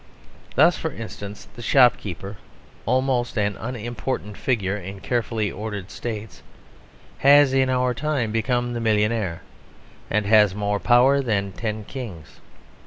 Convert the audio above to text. Thus, for instance, the shopkeeper, almost an unimportant figure in carefully ordered states, has in our time become the millionaire, and has more power than ten kings.